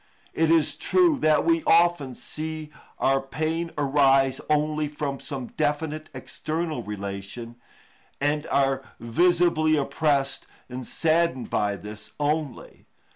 It is true that we often see our pain arise only from some definite external relation, and are visibly oppressed and saddened by this only.